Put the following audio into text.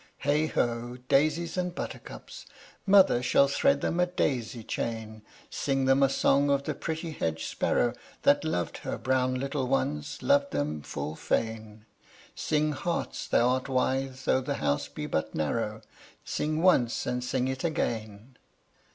Heigh ho! daisies and buttercups! Mother shall thread them a daisy chain; Sing them a song of the pretty hedge sparrow, That loved her brown little ones, loved them full fain; Sing, "Heart, thou art wide though the house be but narrow" Sing once, and sing it again.